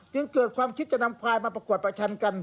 จึงเกิดความคิดจะนำควายมาประกวดประชันกัน